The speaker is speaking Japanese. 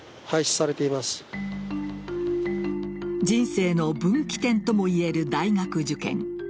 人生の分岐点ともいえる大学受験。